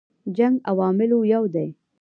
جنګ عواملو یو دی.